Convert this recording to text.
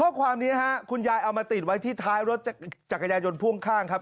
ข้อความนี้ฮะคุณยายเอามาติดไว้ที่ท้ายรถจักรยายนพ่วงข้างครับ